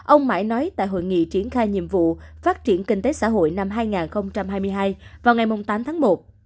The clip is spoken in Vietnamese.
ông mãi nói tại hội nghị triển khai nhiệm vụ phát triển kinh tế xã hội năm hai nghìn hai mươi hai vào ngày tám tháng một